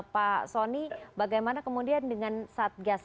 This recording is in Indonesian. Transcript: pak soni bagaimana kemudian dengan satgas